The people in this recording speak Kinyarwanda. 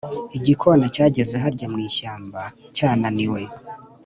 igikona cyageze harya mu ishyamba cyananiwe.